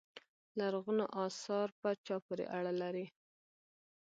لرغونو اثار په چا پورې اړه لري.